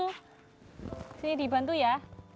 di sini dibantu ya